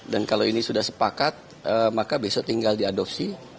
dan kalau ini sudah sepakat maka besok tinggal diadopsi